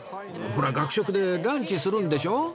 ほら学食でランチするんでしょ？